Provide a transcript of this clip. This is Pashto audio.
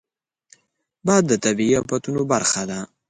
باد د طبیعي افتونو برخه ده